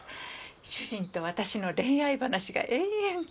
主人と私の恋愛話が延々と。